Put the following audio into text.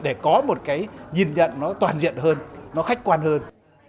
để có một cái nhìn nhận nó toàn diện hơn nó khách quan hơn